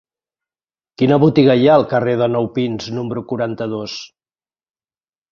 Quina botiga hi ha al carrer de Nou Pins número quaranta-dos?